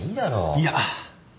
いや。